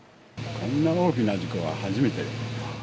こんな大きな事故は初めて。